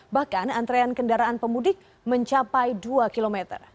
bahkan antrean kendaraan pemudik mencapai dua km